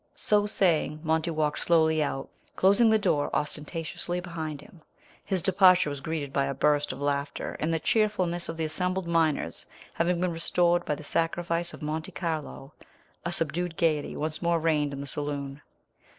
So saying Monty walked slowly out, closing the door ostentatiously behind him. His departure was greeted by a burst of laughter, and the cheerfulness of the assembled miners having been restored by the sacrifice of Monte Carlo, a subdued gaiety once more reigned in the saloon.